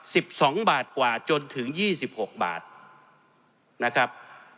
สิบสองบาทกว่าจนถึงยี่สิบหกบาทนะครับ